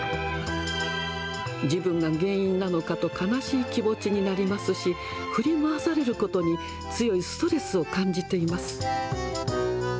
自分が原因なのかと悲しい気持ちになりますし、振り回されることに強いストレスを感じています。